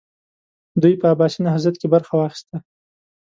دوی په عباسي نهضت کې برخه واخیسته.